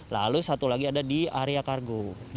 lalu satu lagi ada di area kargo